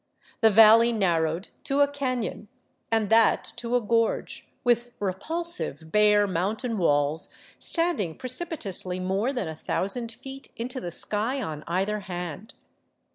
The valley narrowed to a canon, and that to a gorge, with repulsive, bare mountain walls standing precipitously more than a thousand feet into the sky on either hand.